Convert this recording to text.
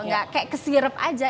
kayak kesirep aja